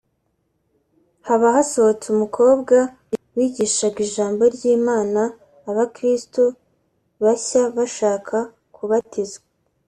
Haba hasohotse umukobwa wigishaga ijambo ry’Imana abakristo bashya bashaka kubatizwa